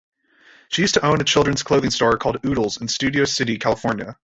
She used to own a children's clothing store called "Oodles" in Studio City, California.